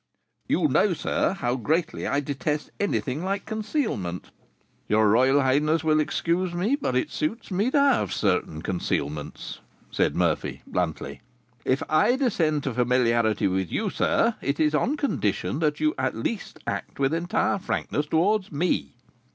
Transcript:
"You know, sir, how greatly I detest anything like concealment." "Your royal highness will excuse me, but it suits me to have certain concealments," said Murphy, bluntly. "If I descend to familiarity with you, sir, it is on condition that you, at least, act with entire frankness towards me."